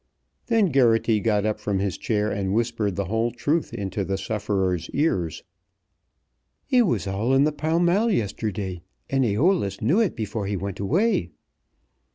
Then Geraghty got up from his chair and whispered the whole truth into the sufferer's ears. "It was all in the Pall Mall yesterday, and Æolus knew it before he went away."